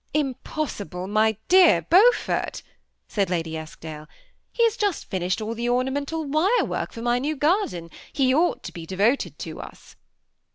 ^'Impossible, my dear Beai^ort,'' said Lady Esk dale; ''he has just finished all the ornamental wire* work for my new garden ; he tmghl to' be devoted to us."